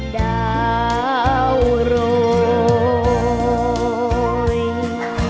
ดาวเรือง